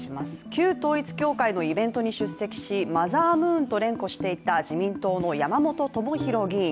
旧統一教会のイベントに出席し、マザームーンと連呼していた自民党の山本朋広議員。